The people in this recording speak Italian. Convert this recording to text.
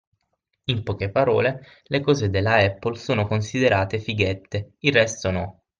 In poche parole, le cose della Apple sono considerate “fighette”, il resto no.